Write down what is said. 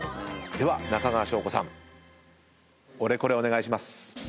では中川翔子さんオレコレお願いします。